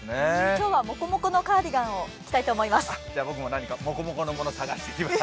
今日はもこもこのカーディガンを着たいと思います。